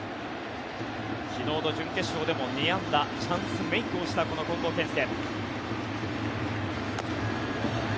昨日の準決勝でも２安打チャンスメイクをしたこの近藤健介。